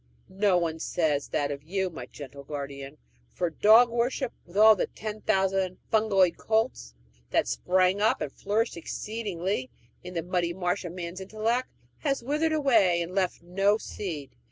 No one says that of you, my gentle guardian; for dog worship, with all the ten thousand fungoid cults that sprang up and flourished exceedingly in the muddy marsh of man's intellect, has withered quite away, and left no seed.